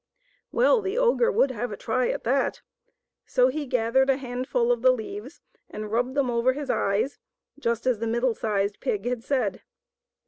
Well, the ogre would have a try at that. So he gathered a handful of the leaves and rubbed them over his eyes, just as the middle sized pig had said.